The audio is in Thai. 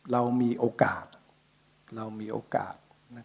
เรามีโอกาส